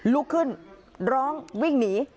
ลุกขึ้นร้องวิ่งหนี